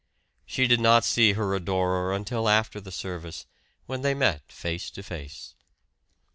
She did not see her adorer until after the service, when they met face to face.